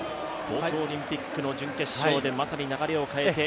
東京オリンピックの準決勝でまさに流れを変えて。